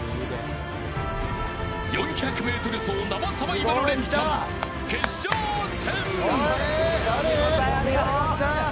４００メートル走生サバイバルレンチャン決勝戦。